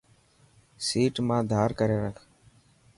سيٽ مان ڌار ڪري رک.